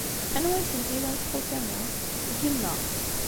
Anwa ay tent-ilan txutam-a? N yemma.